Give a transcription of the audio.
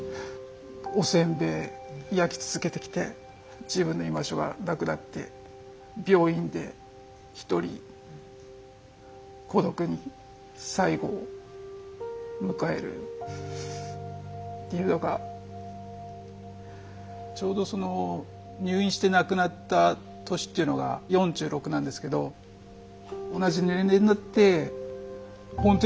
おせんべい焼き続けてきて自分の居場所がなくなって病院で一人孤独に最期を迎えるっていうのがちょうどその入院して亡くなった年っていうのが４６なんですけど同じ年齢になってほんと